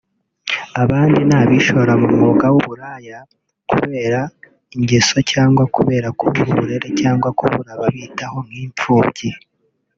abandi ni abishora mu mwuga w’uburaya kubera ingeso cyangwa kubera kubura uburere cyangwa kubura ababitaho nk’imfubyi